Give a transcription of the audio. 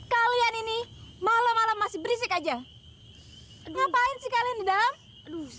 kalian ini malam malam masih berisik aja ngapain sih kalian